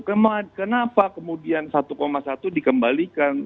kenapa kemudian satu satu dikembalikan